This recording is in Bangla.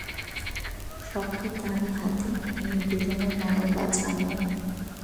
সব তো তারই হাতে, এ দুজনের মরণ বাচানো।